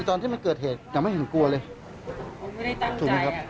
ตอนที่มันเกิดเหตุยังไม่เห็นกลัวเลยเขาไม่ได้ตั้งใจอ่ะค่ะ